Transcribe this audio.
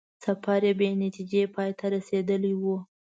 سفر یې بې نتیجې پای ته رسېدلی وو.